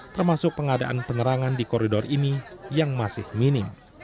termasuk pengadaan penerangan di koridor ini yang masih minim